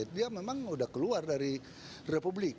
dia memang sudah keluar dari republik